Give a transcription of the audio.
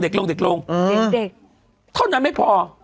เด็กลงเด็กลงเด็กเด็กเท่านั้นไม่พอ